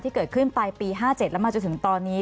ที่เกิดขึ้นไปปี๕๗แล้วมาจนถึงตอนนี้